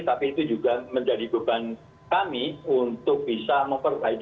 tapi itu juga menjadi beban kami untuk bisa memperbaiki